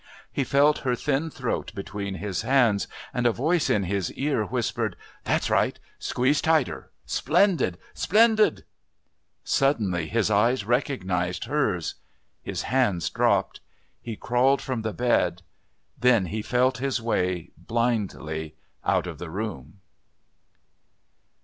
He felt her thin throat between his hands and a voice in his ear whispered, "That's right, squeeze tighter. Splendid! Splendid!" Suddenly his eyes recognised hers. His hands dropped. He crawled from the bed. Then he felt his way, blindly, out of the room.